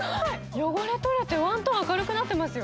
汚れ取れてワントーン明るくなってますよ。